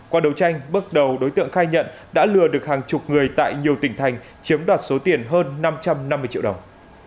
qua đấu tranh bước đầu đối tượng khai nhận đã lừa được hàng chục người tại nhiều tỉnh thành chiếm đoạt số tiền hơn năm trăm năm mươi triệu đồng